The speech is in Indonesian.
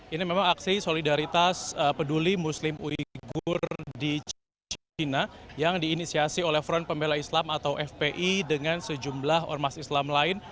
ini memang aksi solidaritas peduli muslim uyghur di china yang diinisiasi oleh front pembela islam atau fpi dengan sejumlah ormas islam lain